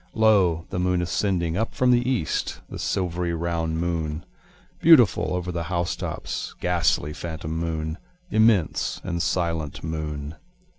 Lo, the moon ascending, Up from the east the silvery round moon, Beautiful over the house tops, ghastly, phantom moon, Immense and silent moon.